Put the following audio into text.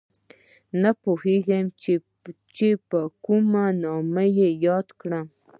نه پوهېږم چې په کوم نامه یې یاد کړم